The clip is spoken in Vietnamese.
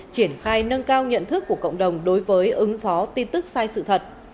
triển khai nâng cao nhận thức của cộng đồng đối với ứng phó tin tức sai sự thật